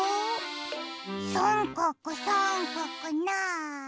さんかくさんかくなに？